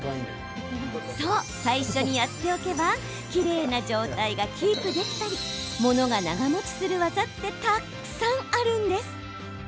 そう、最初にやっておけばきれいな状態がキープできたりものが長もちする技ってたくさんあるんです。